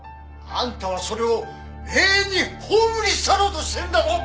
あんたはそれを永遠に葬り去ろうとしているんだぞ！